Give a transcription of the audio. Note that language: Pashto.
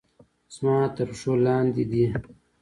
زما تر پښو لاندې دي